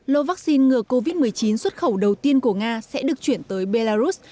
lô vaccine ngừa covid một mươi chín xuất khẩu đầu tiên của nga sẽ được chuyển tới belarus